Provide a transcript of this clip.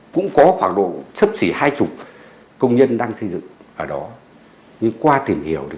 với một đám máu màu nâu đỏ